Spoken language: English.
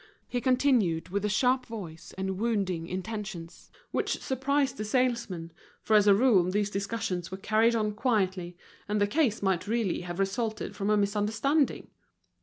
He continued, with a sharp voice, and wounding intentions, which surprised the salesmen, for as a rule these discussions were carried on quietly, and the case might really have resulted from a misunderstanding.